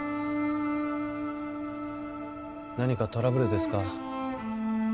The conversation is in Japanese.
何かトラブルですか？